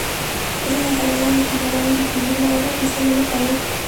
Es el encargado de controlar y difundir la Hora Oficial del Ecuador.